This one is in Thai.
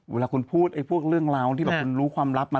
เวลาคุณพูดพวกเรื่องราวที่แบบคุณรู้ความลับมา